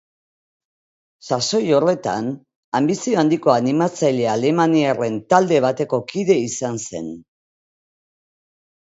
Sasoi horretan, anbizio handiko animatzaile alemaniarren talde bateko kide izan zen.